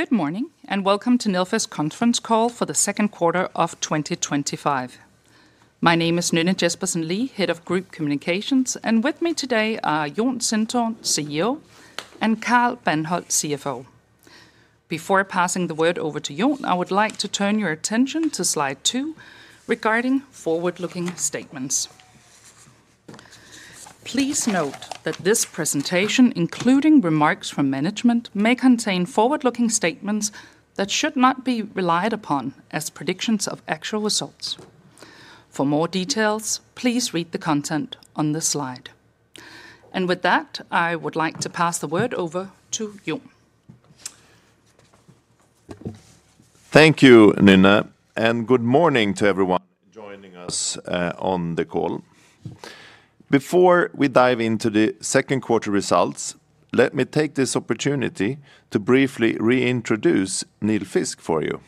Good morning and welcome to Nilfisk's Conference Call for the Second Quarter of 2025. My name is Nynne Jespersen Lee, Head of Group Communications, and with me today are Jon Sintorn, CEO, and Carl Bandhold, CFO. Before passing the word over to Jon, I would like to turn your attention to slide two regarding forward-looking statements. Please note that this presentation, including remarks from management, may contain forward-looking statements that should not be relied upon as predictions of actual results. For more details, please read the content on this slide. With that, I would like to pass the word over to Jon. Thank you, Nynne, and good morning to everyone joining us on the call. Before we dive into the second quarter results, let me take this opportunity to briefly reintroduce Nilfisk for you.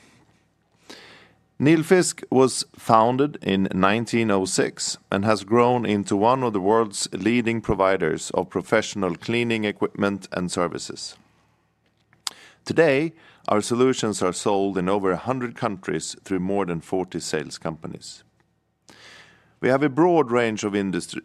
Nilfisk was founded in 1906 and has grown into one of the world's leading providers of professional cleaning equipment and services. Today, our solutions are sold in over 100 countries through more than 40 sales companies. We have a broad range of industries,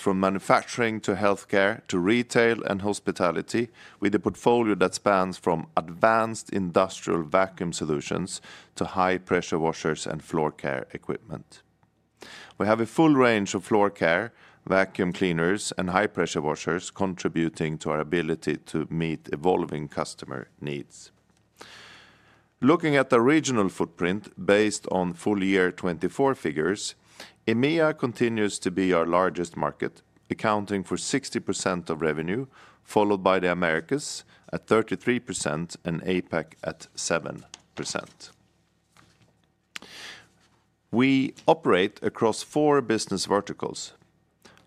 from manufacturing to healthcare to retail and hospitality, with a portfolio that spans from advanced industrial vacuum solutions to high-pressure washers and floorcare equipment. We have a full range of floorcare, vacuum cleaners, and high-pressure washers, contributing to our ability to meet evolving customer needs. Looking at the regional footprint based on full-year 2024 figures, EMEA continues to be our largest market, accounting for 60% of revenue, followed by the Americas at 33% and APAC at 7%. We operate across four business verticals: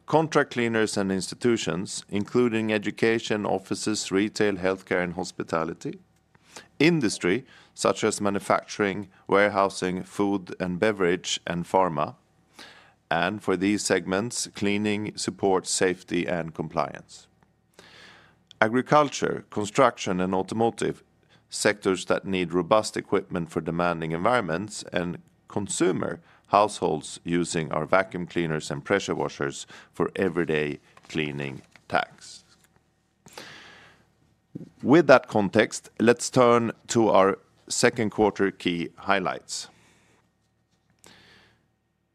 contract cleaners and institutions, including education, offices, retail, healthcare, and hospitality; industry, such as manufacturing, warehousing, food and beverage, and pharma; and for these segments, cleaning, support, safety, and compliance; agriculture, construction, and automotive, sectors that need robust equipment for demanding environments; and consumer households using our vacuum cleaners and high-pressure washers for everyday cleaning tasks. With that context, let's turn to our second quarter key highlights.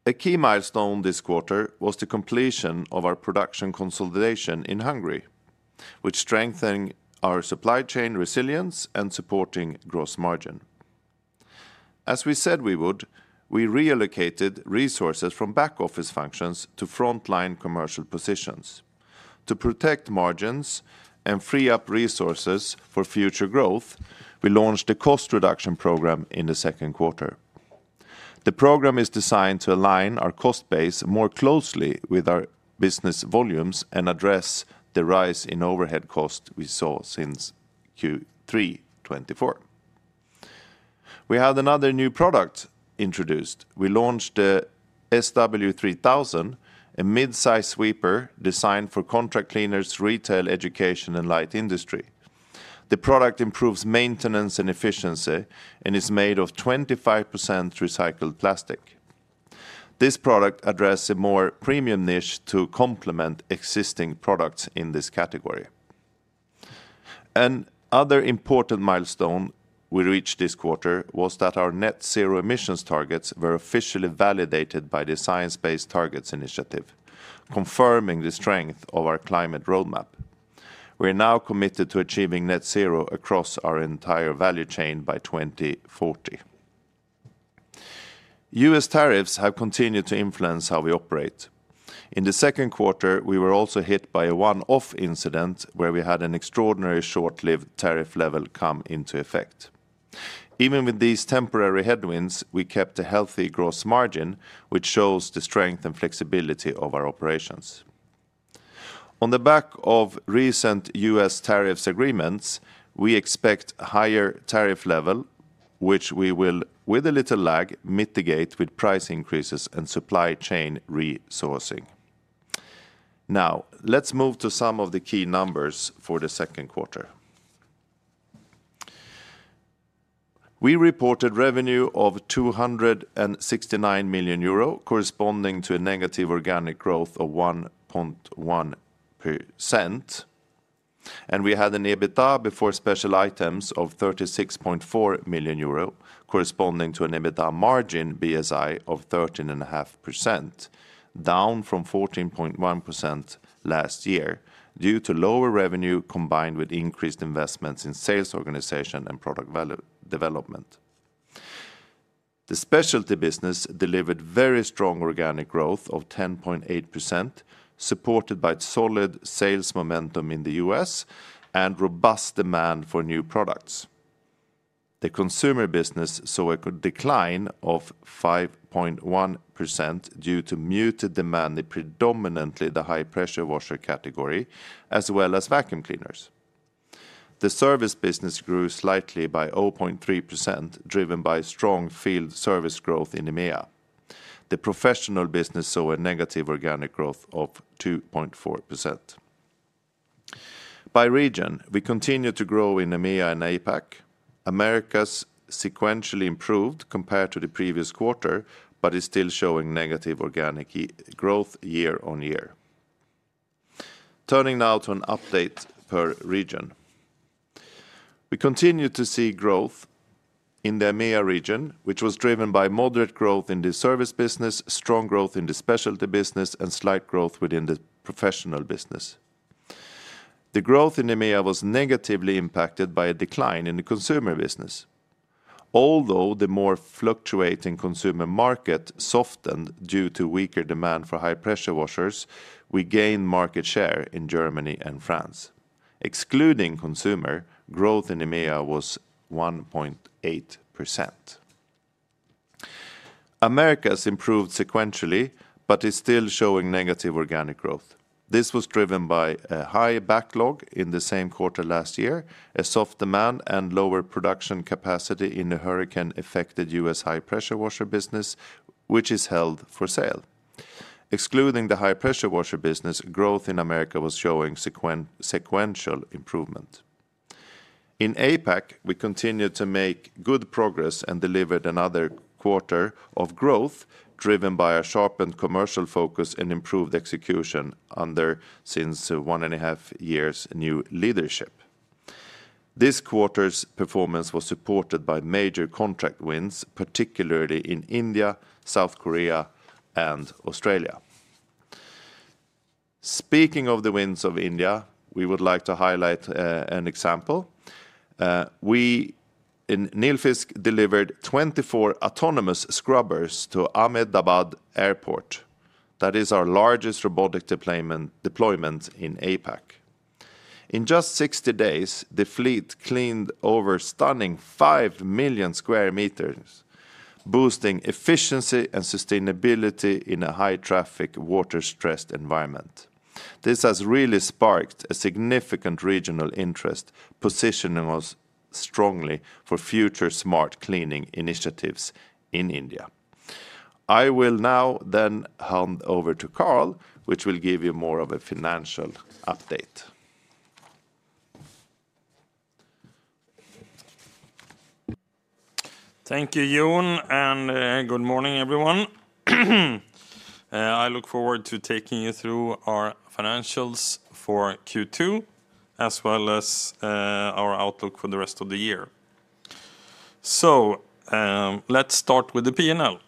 A key milestone this quarter was the completion of our production consolidation in Hungary, which strengthened our supply chain resilience and supported gross margin. As we said we would, we reallocated resources from back-office functions to front-line commercial positions. To protect margins and free up resources for future growth, we launched a cost reduction program in the second quarter. The program is designed to align our cost base more closely with our business volumes and address the rise in overhead costs we saw since Q3 2024. We had another new product introduced. We launched the SW3000 sweeper, a mid-size sweeper designed for contract cleaners, retail, education, and light industry. The product improves maintenance and efficiency and is made of 25% recycled plastic. This product addresses a more premium niche to complement existing products in this category. Another important milestone we reached this quarter was that our net zero emissions targets were officially validated by the Science-Based Targets initiative, confirming the strength of our climate roadmap. We are now committed to achieving net zero across our entire value chain by 2040. U.S. tariffs have continued to influence how we operate. In the second quarter, we were also hit by a one-off incident where we had an extraordinary short-lived tariff level come into effect. Even with these temporary headwinds, we kept a healthy gross margin, which shows the strength and flexibility of our operations. On the back of recent U.S. tariffs agreements, we expect a higher tariff level, which we will, with a little lag, mitigate with price increases and supply chain resourcing. Now, let's move to some of the key numbers for the second quarter. We reported revenue of €269 million, corresponding to a negative organic growth of 1.1%. We had an EBITDA before special items of €36.4 million, corresponding to an EBITDA margin, BSI, of 13.5%, down from 14.1% last year due to lower revenue combined with increased investments in sales organization and product development. The specialty business delivered very strong organic growth of 10.8%, supported by solid sales momentum in the U.S. and robust demand for new products. The consumer business saw a decline of 5.1% due to muted demand in predominantly the high-pressure washer category, as well as vacuum cleaners. The service business grew slightly by 0.3%, driven by strong field service growth in EMEA. The professional business saw a negative organic growth of 2.4%. By region, we continue to grow in EMEA and APAC. Americas sequentially improved compared to the previous quarter, but is still showing negative organic growth year-on-year. Turning now to an update per region. We continue to see growth in the EMEA region, which was driven by moderate growth in the service business, strong growth in the specialty business, and slight growth within the professional business. The growth in EMEA was negatively impacted by a decline in the consumer business. Although the more fluctuating consumer market softened due to weaker demand for high-pressure washers, we gained market share in Germany and France. Excluding consumer, growth in EMEA was 1.8%. Americas improved sequentially, but is still showing negative organic growth. This was driven by a high backlog in the same quarter last year, a soft demand, and lower production capacity in the hurricane-affected U.S. high-pressure washer business, which is held for sale. Excluding the high-pressure washer business, growth in Americas was showing sequential improvement. In APAC, we continue to make good progress and delivered another quarter of growth, driven by a sharpened commercial focus and improved execution under since one and a half years' new leadership. This quarter's performance was supported by major contract wins, particularly in India, South Korea, and Australia. Speaking of the wins of India, we would like to highlight an example. We, in Nilfisk, delivered 24 autonomous scrubbers to Ahmedabad Airport. That is our largest robotic deployment in APAC. In just 60 days, the fleet cleaned over stunning 5 sq m million, boosting efficiency and sustainability in a high-traffic, water-stressed environment. This has really sparked a significant regional interest, positioning us strongly for future smart cleaning initiatives in India. I will now then hand over to Carl, which will give you more of a financial update. Thank you, Jon, and good morning, everyone. I look forward to taking you through our financials for Q2, as well as our outlook for the rest of the year. Let's start with the P&L.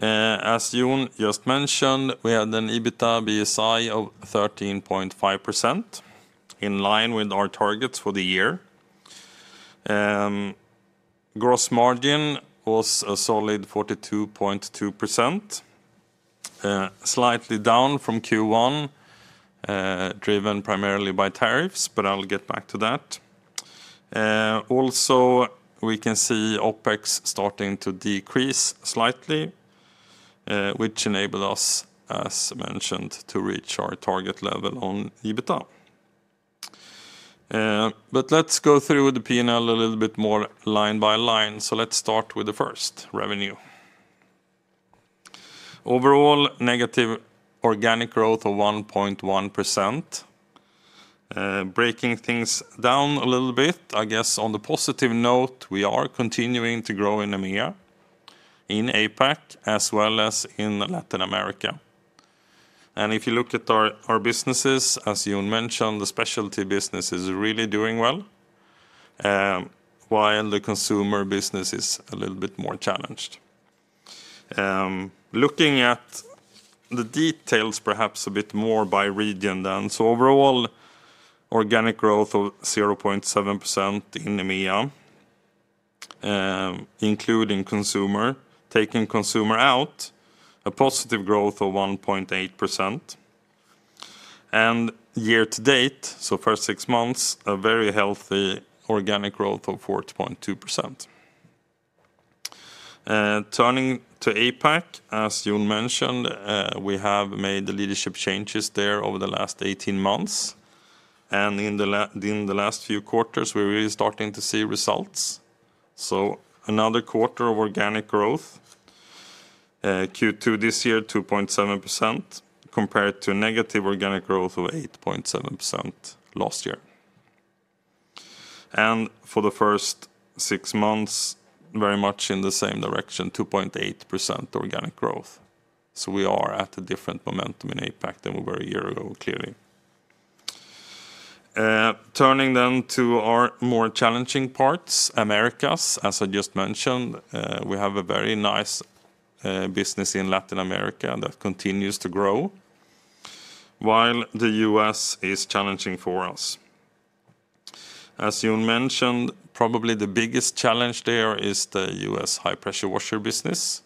As Jon just mentioned, we had an EBITDA BSI of 13.5%, in line with our targets for the year. Gross margin was a solid 42.2%, slightly down from Q1, driven primarily by tariffs, but I'll get back to that. Also, we can see OpEx starting to decrease slightly, which enabled us, as mentioned, to reach our target level on EBITDA. Let's go through the P&L a little bit more line by line. Let's start with the first, revenue. Overall, negative organic growth of 1.1%. Breaking things down a little bit, I guess on the positive note, we are continuing to grow in EMEA, in APAC, as well as in Latin America. If you looked at our businesses, as Jon mentioned, the specialty business is really doing well, while the consumer business is a little bit more challenged. Looking at the details, perhaps a bit more by region then. Overall, organic growth of 0.7% in EMEA, including consumer, taking consumer out, a positive growth of 1.8%. Year-to-date, so first six months, a very healthy organic growth of 4.2%. Turning to APAC, as Jon mentioned, we have made the leadership changes there over the last 18 months. In the last few quarters, we're really starting to see results. Another quarter of organic growth. Q2 this year, 2.7% compared to a negative organic growth of 8.7% last year. For the first six months, very much in the same direction, 2.8% organic growth. We are at a different momentum in APAC than we were a year ago, clearly. Turning to our more challenging parts, Americas, as I just mentioned, we have a very nice business in Latin America that continues to grow, while the U.S. is challenging for us. As Jon mentioned, probably the biggest challenge there is the U.S. high-pressure washer business,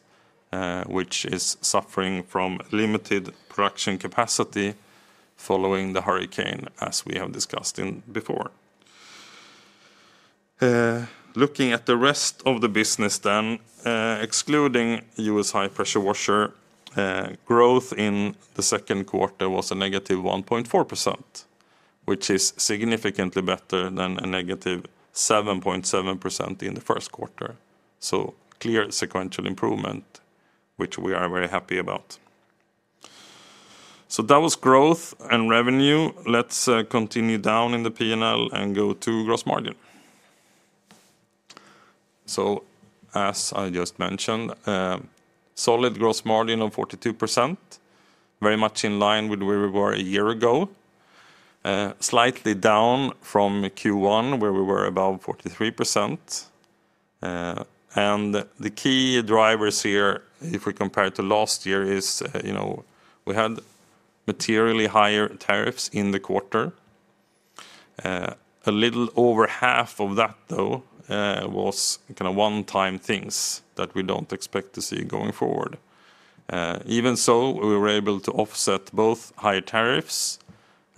which is suffering from limited production capacity following the hurricane, as we have discussed before. Looking at the rest of the business, excluding U.S. high-pressure washer, growth in the second quarter was a -1.4%, which is significantly better than a -7.7% in the first quarter. Clear sequential improvement, which we are very happy about. That was growth and revenue. Let's continue down in the P&L and go to gross margin. As I just mentioned, solid gross margin of 42%, very much in line with where we were a year ago, slightly down from Q1 where we were above 43%. The key drivers here, if we compare to last year, are, you know, we had materially higher tariffs in the quarter. A little over half of that, though, was kind of one-time things that we don't expect to see going forward. Even so, we were able to offset both high tariffs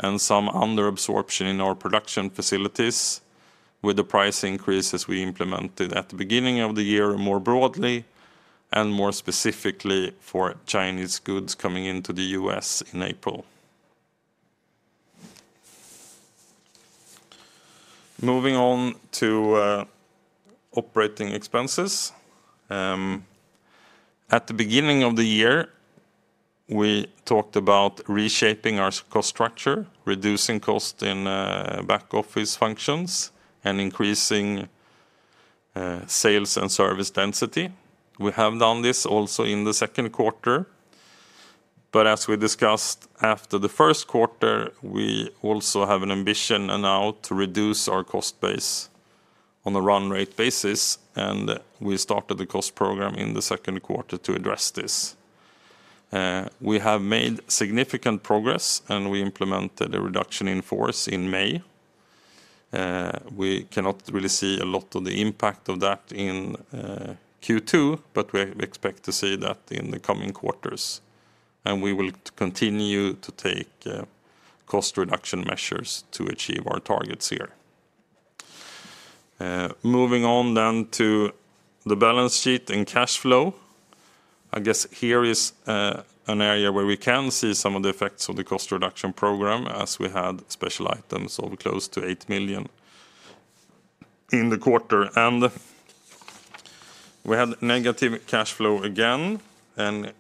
and some underabsorption in our production facilities with the price increases we implemented at the beginning of the year more broadly and more specifically for Chinese goods coming into the U.S. in April. Moving on to operating expenses. At the beginning of the year, we talked about reshaping our cost structure, reducing cost in back-office functions, and increasing sales and service density. We have done this also in the second quarter. As we discussed after the first quarter, we also have an ambition now to reduce our cost base on a run-rate basis, and we started the cost program in the second quarter to address this. We have made significant progress, and we implemented a reduction in force in May. We cannot really see a lot of the impact of that in Q2, but we expect to see that in the coming quarters. We will continue to take cost reduction measures to achieve our targets here. Moving on then to the balance sheet and cash flow, I guess here is an area where we can see some of the effects of the cost reduction program, as we had special items of close to $8 million in the quarter. We had negative cash flow again.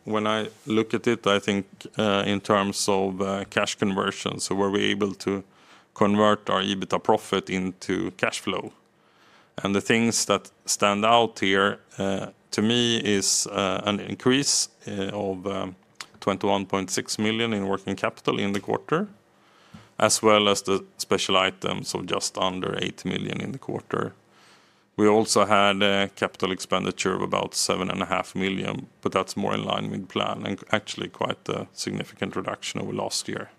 When I look at it, I think in terms of cash conversion, so were we able to convert our EBITDA profit into cash flow? The things that stand out here to me are an increase of $21.6 million in working capital in the quarter, as well as the special items of just under $8 million in the quarter. We also had a capital expenditure of about $7.5 million, but that's more in line with the plan and actually quite a significant reduction over last year.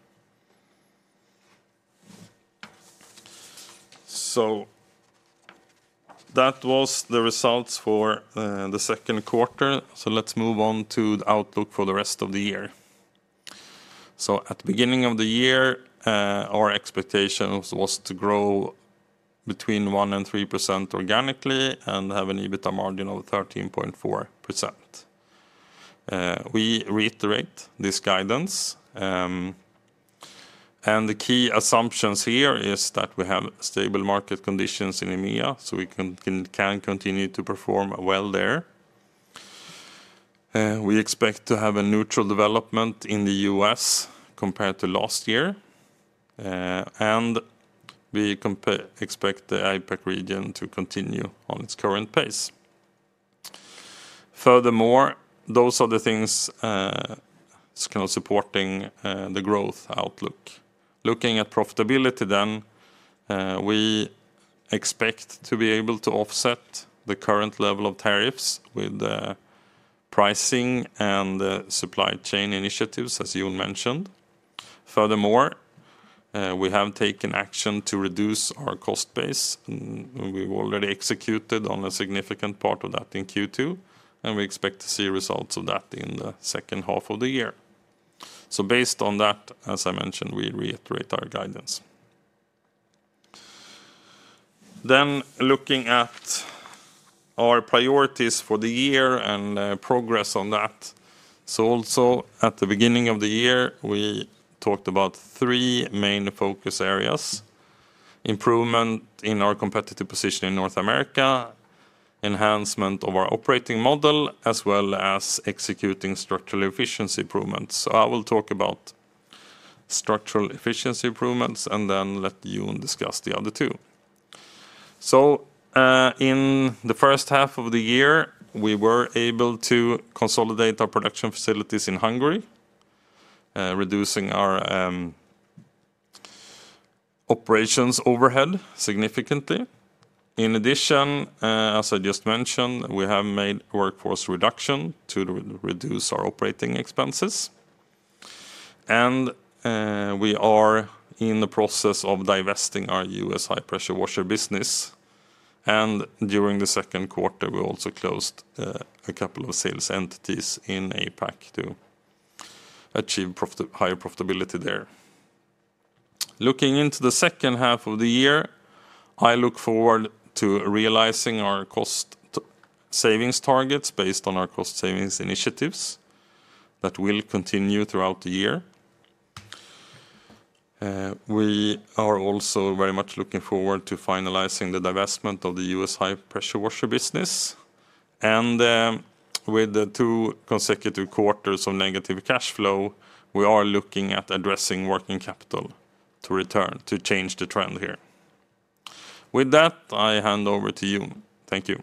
That was the results for the second quarter. Let's move on to the outlook for the rest of the year. At the beginning of the year, our expectation was to grow between 1% and 3% organically and have an EBITDA margin of 13.4%. We reiterate this guidance. The key assumptions here are that we have stable market conditions in EMEA, so we can continue to perform well there. We expect to have a neutral development in the U.S. compared to last year. We expect the APAC region to continue on its current pace. Furthermore, those are the things kind of supporting the growth outlook. Looking at profitability then, we expect to be able to offset the current level of tariffs with the pricing and the supply chain initiatives, as Jon mentioned. Furthermore, we have taken action to reduce our cost base. We've already executed on a significant part of that in Q2. We expect to see results of that in the second half of the year. Based on that, as I mentioned, we reiterate our guidance. Looking at our priorities for the year and progress on that. Also at the beginning of the year, we talked about three main focus areas: improvement in our competitive position in North America, enhancement of our operating model, as well as executing structural efficiency improvements. I will talk about structural efficiency improvements and then let Jon discuss the other two. In the first half of the year, we were able to consolidate our production facilities in Hungary, reducing our operations overhead significantly. In addition, as I just mentioned, we have made a workforce reduction to reduce our operating expenses. We are in the process of divesting our U.S. high-pressure washer business. During the second quarter, we also closed a couple of sales entities in APAC to achieve higher profitability there. Looking into the second half of the year, I look forward to realizing our cost savings targets based on our cost savings initiatives that will continue throughout the year. We are also very much looking forward to finalizing the divestment of the U.S. high-pressure washer business. With the two consecutive quarters of negative cash flow, we are looking at addressing working capital to return to change the trend here. With that, I hand over to you. Thank you.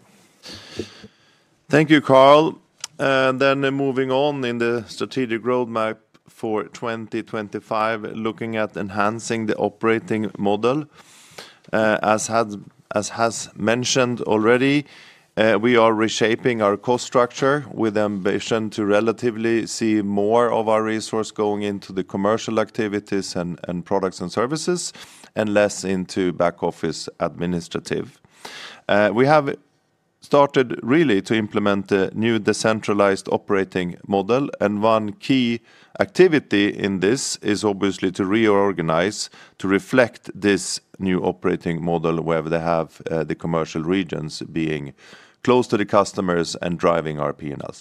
Thank you, Carl. Moving on in the strategic roadmap for 2025, looking at enhancing the operating model. As has been mentioned already, we are reshaping our cost structure with the ambition to relatively see more of our resource going into the commercial activities and products and services, and less into back-office administrative. We have started really to implement a new decentralized operating model. One key activity in this is obviously to reorganize to reflect this new operating model where they have the commercial regions being close to the customers and driving our P&L.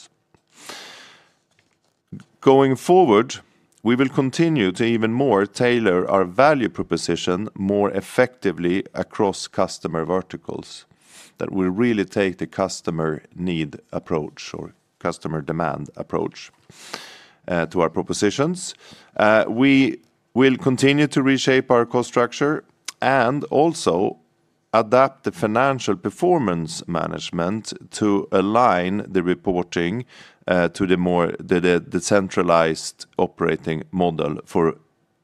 Going forward, we will continue to even more tailor our value proposition more effectively across customer verticals that will really take the customer need approach or customer demand approach to our propositions. We will continue to reshape our cost structure and also adapt the financial performance management to align the reporting to the more decentralized operating model for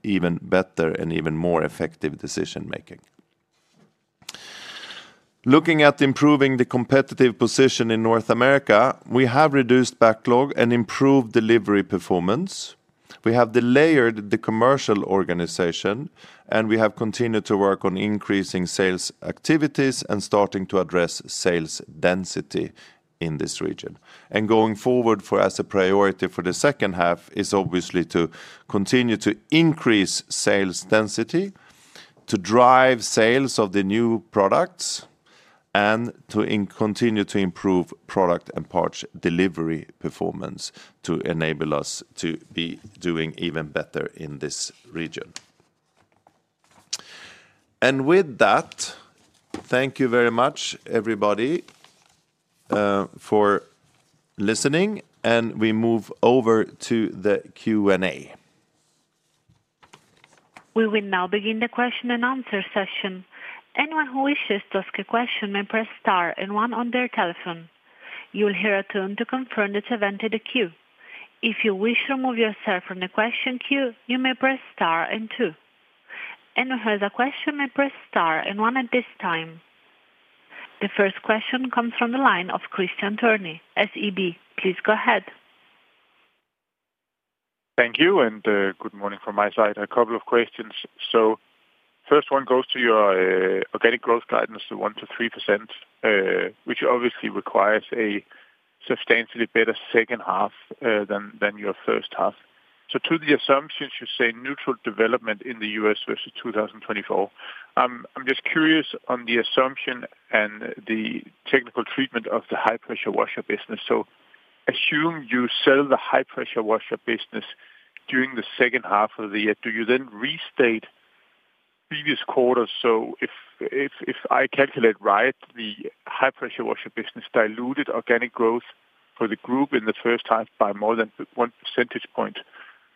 even better and even more effective decision-making. Looking at improving the competitive position in North America, we have reduced backlog and improved delivery performance. We have delayed the commercial organization, and we have continued to work on increasing sales activities and starting to address sales density in this region. Going forward, as a priority for the second half, is obviously to continue to increase sales density, to drive sales of the new products, and to continue to improve product and parts delivery performance to enable us to be doing even better in this region. With that, thank you very much, everybody, for listening. We move over to the Q&A. We will now begin the question-and-answer session. Anyone who wishes to ask a question may press Star and one on their telephone. You'll hear a tone to confirm that you have entered the queue. If you wish to remove yourself from the question queue, you may press Star and two. Anyone who has a question may press star and one at this time. The first question comes from the line of Kristian Turling, SEB. Please go ahead. Thank you, and good morning from my side. A couple of questions. First one goes to your organic growth guidance, the 1%-3%, which obviously requires a substantially better second half than your first half. To the assumptions, you say neutral development in the U.S. versus 2024. I'm just curious on the assumption and the technical treatment of the high-pressure washer business. Assume you sell the high-pressure washer business during the second half of the year, do you then restate previous quarters? If I calculate right, the high-pressure washer business diluted organic growth for the group in the first half by more than 1 percentage point.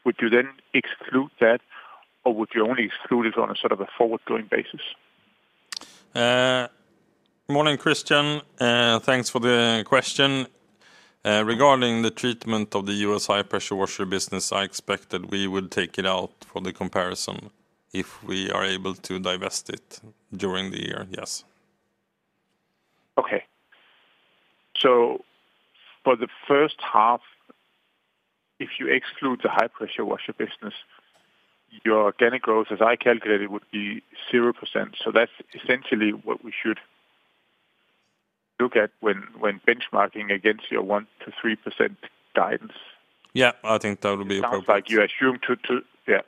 Would you then exclude that, or would you only exclude it on a sort of a forward-going basis? Morning, Kristian. Thanks for the question. Regarding the treatment of the U.S. high-pressure washer business, I expected we would take it out for the comparison if we are able to divest it during the year, yes. Okay. For the first half, if you exclude the high-pressure washer business, your organic growth, as I calculated, would be 0%. That's essentially what we should look at when benchmarking against your 1%-3% guidance. Yeah, I think that would be appropriate. You assume to, yeah.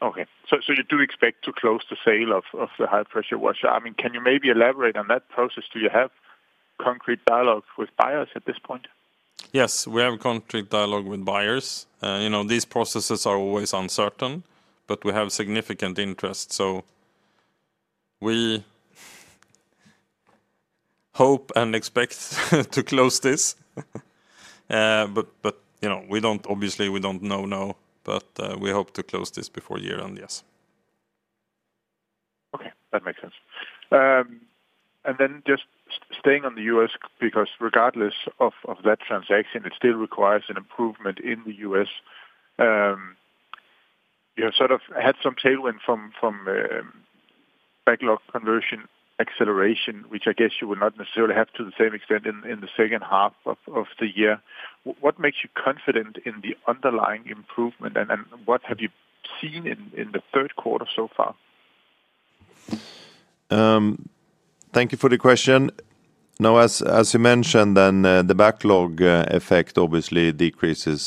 Okay. You do expect to close the sale of the high-pressure washer. Can you maybe elaborate on that process? Do you have concrete dialogues with buyers at this point? Yes, we have a concrete dialogue with buyers. These processes are always uncertain, but we have significant interest. We hope and expect to close this. Obviously, we don't know now, but we hope to close this before year-end, yes. Okay, that makes sense. Just staying on the U.S., because regardless of that transaction, it still requires an improvement in the U.S. You have sort of had some tailwind from backlog conversion acceleration, which I guess you will not necessarily have to the same extent in the second half of the year. What makes you confident in the underlying improvement, and what have you seen in the third quarter so far? Thank you for the question. As you mentioned, the backlog effect obviously decreases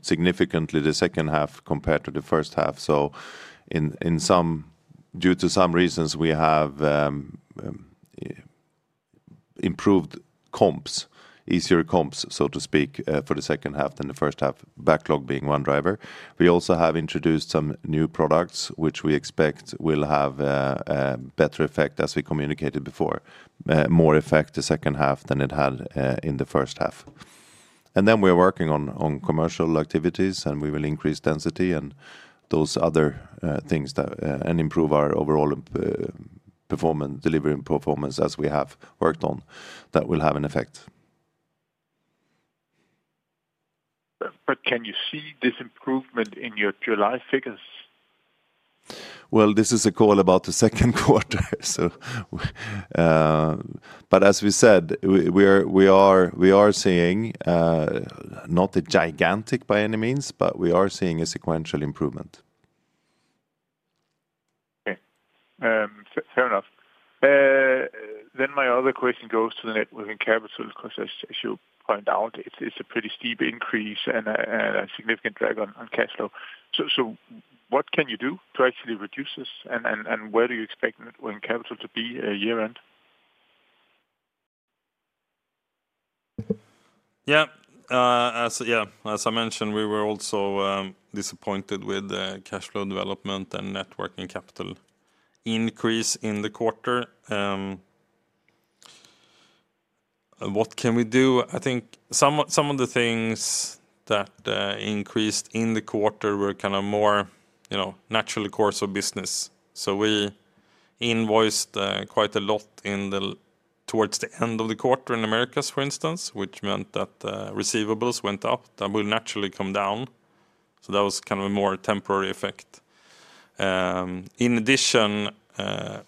significantly in the second half compared to the first half. Due to some reasons, we have improved comps, easier comps, so to speak, for the second half than the first half, backlog being one driver. We also have introduced some new products, which we expect will have a better effect, as we communicated before, more effect in the second half than it had in the first half. We are working on commercial activities, and we will increase density and those other things and improve our overall performance, delivery performance, as we have worked on. That will have an effect. Can you see this improvement in your July figures? This is a call about the second quarter. As we said, we are seeing not a gigantic by any means, but we are seeing a sequential improvement. Okay. Fair enough. My other question goes to working capital. Of course, as you pointed out, it's a pretty steep increase and a significant drag on cash flow. What can you do to actually reduce this, and where do you expect working capital to be at year-end? Yeah, as I mentioned, we were also disappointed with the cash flow development and working capital increase in the quarter. What can we do? I think some of the things that increased in the quarter were kind of more, you know, natural course of business. We invoiced quite a lot towards the end of the quarter in the Americas, for instance, which meant that the receivables went up. That will naturally come down. That was kind of a more temporary effect. In addition,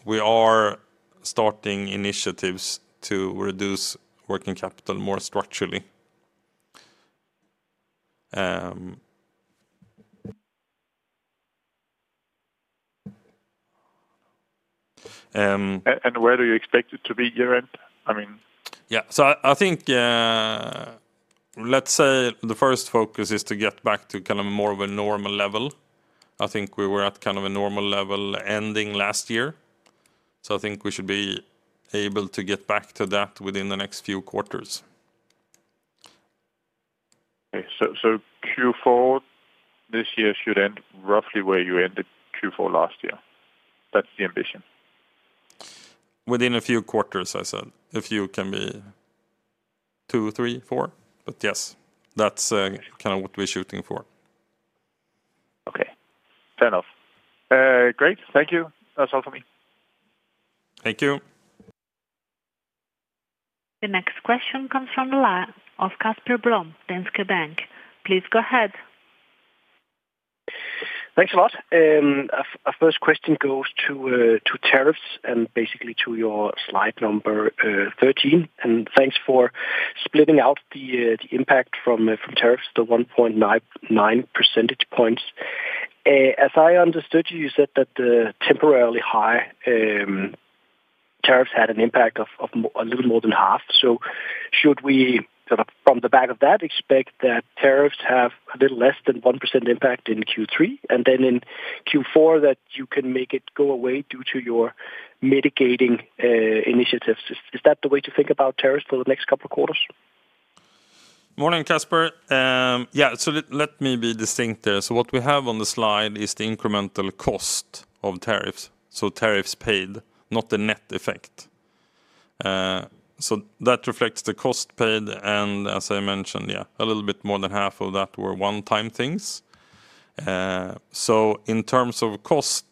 we are starting initiatives to reduce working capital more structurally. Where do you expect it to be year-end? I mean. I think the first focus is to get back to kind of more of a normal level. I think we were at kind of a normal level ending last year. I think we should be able to get back to that within the next few quarters. Okay, Q4 this year should end roughly where you ended Q4 last year. That's the ambition. Within a few quarters, I said a few can be two, three, four. Yes, that's kind of what we're shooting for. Okay. Fair enough. Great. Thank you. That's all for me. Thank you. The next question comes from the line of Casper Blom, Danske Bank. Please go ahead. Thanks a lot. Our first question goes to tariffs and basically to your slide number 13. Thanks for splitting out the impact from tariffs, the 1.9% points. As I understood you, you said that the temporarily high tariffs had an impact of a little more than half. Should we, from the back of that, expect that tariffs have a little less than 1% impact in Q3 and then in Q4 that you can make it go away due to your mitigating initiatives? Is that the way to think about tariffs for the next couple of quarters? Morning, Casper. Let me be distinct. What we have on the slide is the incremental cost of tariffs. Tariffs paid, not the net effect. That reflects the cost paid. As I mentioned, a little bit more than half of that were one-time things. In terms of cost,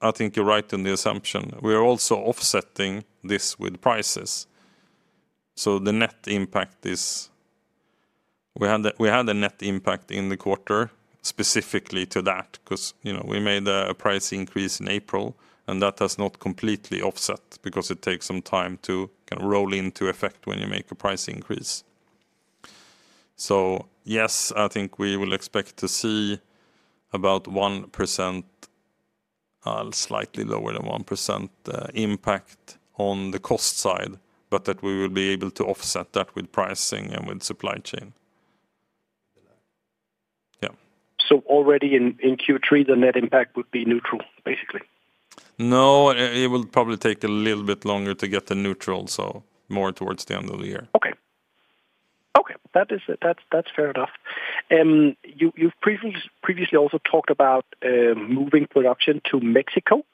I think you're right in the assumption. We are also offsetting this with prices. The net impact is we had a net impact in the quarter specifically to that because, you know, we made a price increase in April, and that has not completely offset because it takes some time to kind of roll into effect when you make a price increase. Yes, I think we will expect to see about 1%, slightly lower than 1% impact on the cost side, but we will be able to offset that with pricing and with supply chain. Already in Q3, the net impact would be neutral, basically. No, it will probably take a little bit longer to get to neutral, so more towards the end of the year. Okay, that is it. That's fair enough. You've previously also talked about moving production to Mexico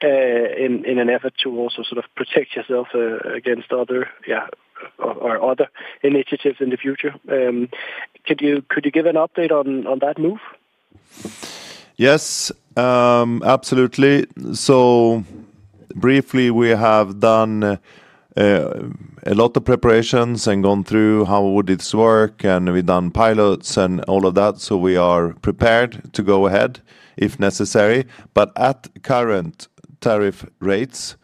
in an effort to also sort of protect yourself against other initiatives in the future. Could you give an update on that move? Yes, absolutely. We have done a lot of preparations and gone through how would this work, and we've done pilots and all of that. We are prepared to go ahead if necessary. At current tariff rates,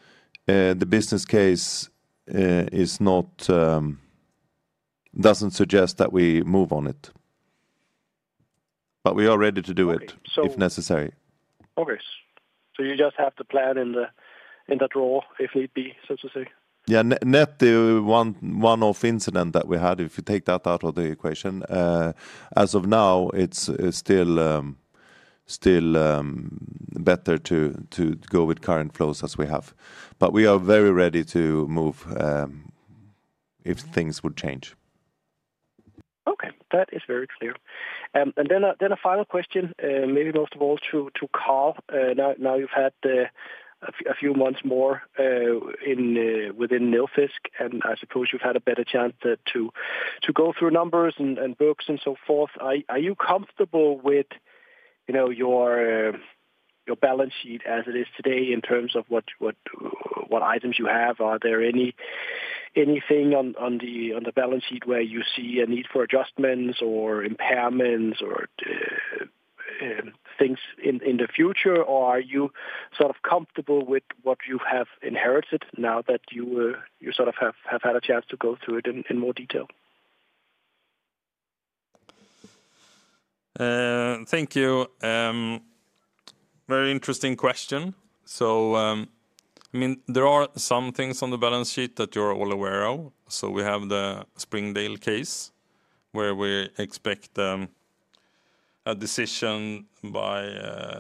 the business case doesn't suggest that we move on it. We are ready to do it if necessary. Okay, you just have to plan in the draw if need be, so to say. Yeah, net the one-off incident that we had, if you take that out of the equation, as of now, it's still better to go with current flows as we have. We are very ready to move if things would change. Okay, that is very clear. A final question, maybe most of all to Carl. Now you've had a few months more within Nilfisk, and I suppose you've had a better chance to go through numbers and books and so forth. Are you comfortable with your balance sheet as it is today in terms of what items you have? Are there anything on the balance sheet where you see a need for adjustments or impairments or things in the future, or are you sort of comfortable with what you have inherited now that you sort of have had a chance to go through it in more detail? Thank you. Very interesting question. There are some things on the balance sheet that you're all aware of. We have the Springdale case where we expect a decision by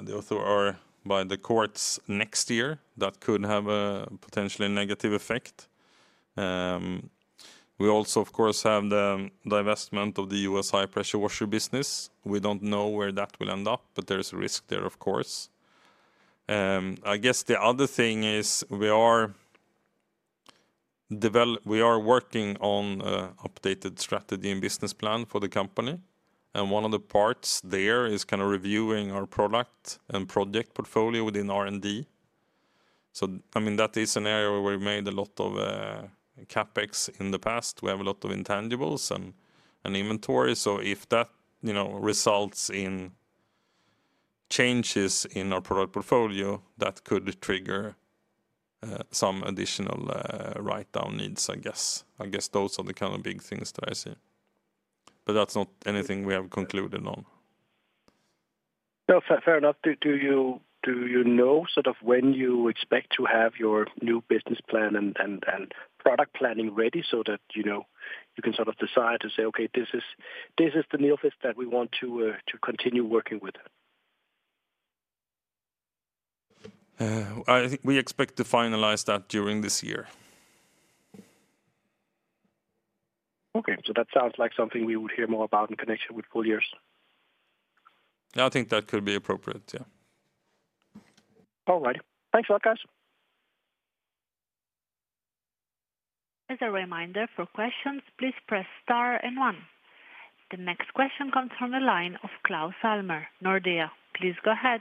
the author or by the courts next year that could have a potentially negative effect. We also, of course, have the divestment of the U.S. high-pressure washer business. We don't know where that will end up, but there's a risk there, of course. The other thing is we are working on an updated strategy and business plan for the company. One of the parts there is kind of reviewing our product and project portfolio within R&D. That is an area where we made a lot of CapEx in the past. We have a lot of intangibles and inventory. If that results in changes in our product portfolio, that could trigger some additional write-down needs, I guess. Those are the kind of big things that I see. That's not anything we have concluded on. No, fair enough. Do you know when you expect to have your new business plan and product planning ready so that you can decide to say, okay, this is the Nilfisk that we want to continue working with? We expect to finalize that during this year. Okay, that sounds like something we would hear more about in connection with full years. No, I think that could be appropriate, yeah. All right. Thanks a lot, guys. As a reminder, for questions, please press Star and one. The next question comes from the line Claus Almer, Nordea. Please go ahead.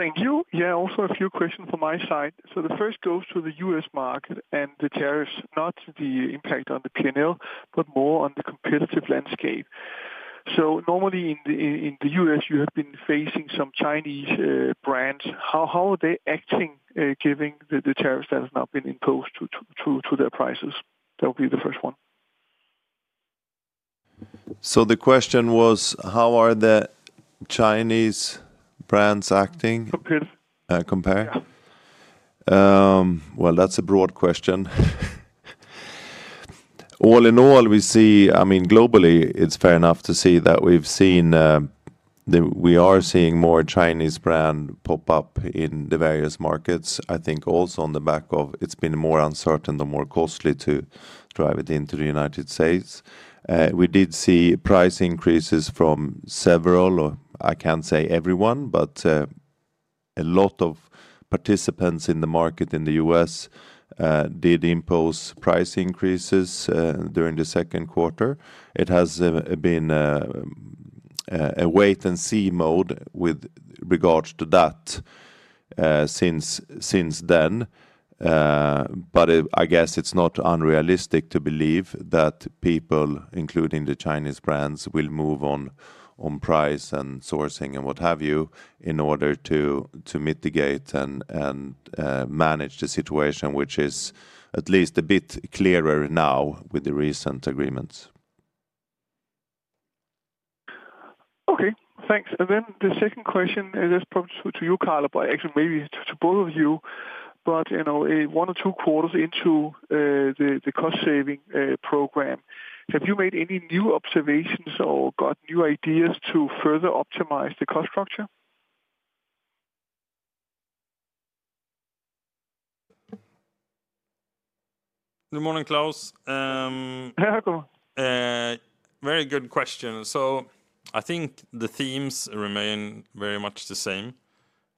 Thank you. Yeah, also a few questions from my side. The first goes to the U.S. market and the tariffs, not the impact on the P&L, but more on the competitive landscape. Normally in the U.S., you have been facing some Chinese brands. How are they acting, given the tariffs that have now been imposed to their prices? That would be the first one. The question was, how are the Chinese brands acting compared? That's a broad question. All in all, we see, globally, it's fair enough to see that we've seen, we are seeing more Chinese brands pop up in the various markets. I think also on the back of it's been more uncertain, the more costly to drive it into the U.S. We did see price increases from several, or I can't say everyone, but a lot of participants in the market in the U.S. did impose price increases during the second quarter. It has been a wait-and-see mode with regards to that since then. I guess it's not unrealistic to believe that people, including the Chinese brands, will move on price and sourcing and what have you in order to mitigate and manage the situation, which is at least a bit clearer now with the recent agreements. Okay, thanks. The second question, this is probably to you, Carl, but actually maybe to both of you, in one or two quarters into the cost-saving program, have you made any new observations or got new ideas to further optimize the cost structure? Good morning, Claus. Hey, Carl. Very good question. I think the themes remain very much the same.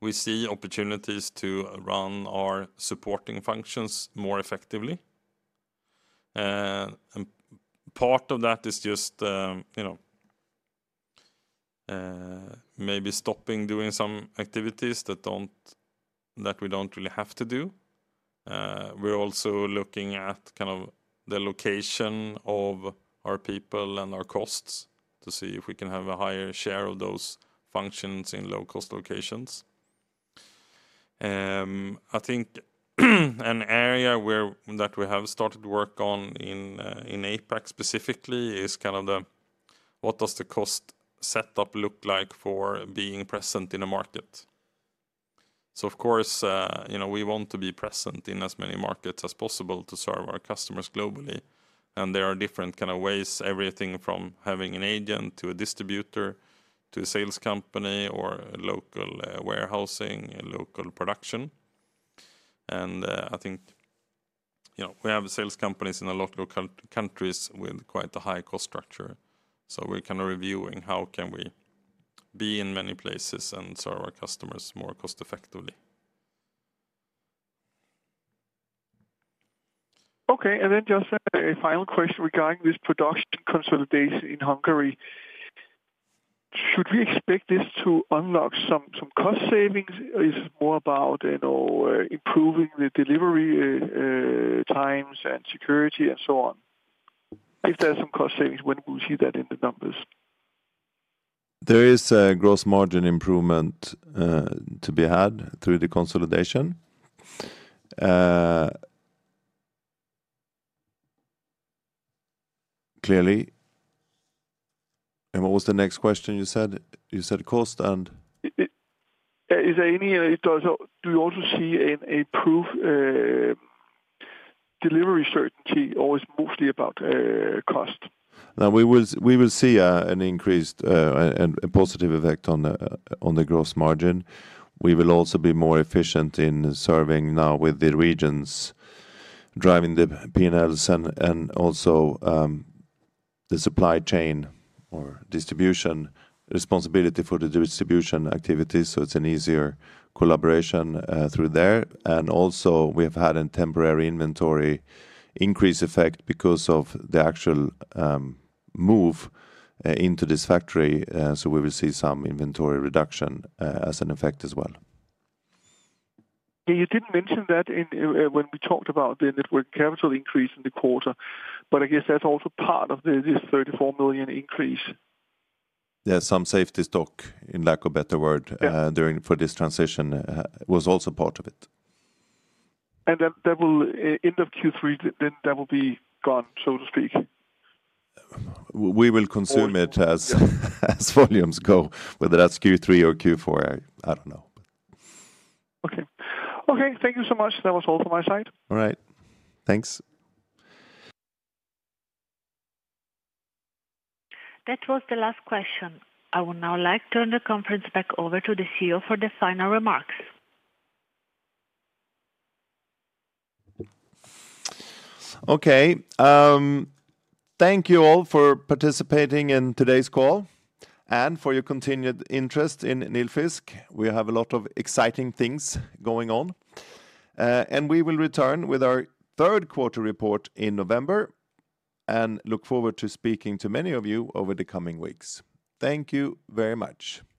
We see opportunities to run our supporting functions more effectively. Part of that is just maybe stopping doing some activities that we don't really have to do. We're also looking at the location of our people and our costs to see if we can have a higher share of those functions in low-cost locations. I think an area that we have started work on in APAC specifically is what does the cost setup look like for being present in a market? Of course, we want to be present in as many markets as possible to serve our customers globally. There are different ways, everything from having an agent to a distributor to a sales company or local warehousing, local production. I think we have sales companies in a lot of local countries with quite a high cost structure. We're reviewing how can we be in many places and serve our customers more cost-effectively. Okay, and then just a final question regarding this production consolidation in Hungary. Should we expect this to unlock some cost savings? Is it more about, you know, improving the delivery times and security and so on? If there are some cost savings, when will we see that in the numbers? There is a gross margin improvement to be had through the consolidation. Clearly, what was the next question you said? You said cost and... Do you also see an improved delivery certainty, or is it mostly about cost? No, we will see an increased and positive effect on the gross margin. We will also be more efficient in serving now with the regions driving the P&Ls and also the supply chain or distribution responsibility for the distribution activities. It is an easier collaboration through there. We have had a temporary inventory increase effect because of the actual move into this factory. We will see some inventory reduction as an effect as well. Yeah, you did mention that when we talked about the working capital increase in the quarter, but I guess that's also part of this $34 million increase. Yeah, some safety stock, in lack of a better word, for this transition was also part of it. That will end up Q3, then that will be gone, so to speak. We will consume it as volumes go, whether that's Q3 or Q4, I don't know. Okay, thank you so much. That was all for my side. All right, thanks. That was the last question. I would now like to turn the conference back over to the CEO for the final remarks. Thank you all for participating in today's call and for your continued interest in Nilfisk. We have a lot of exciting things going on. We will return with our third quarter report in November and look forward to speaking to many of you over the coming weeks. Thank you very much. Bye.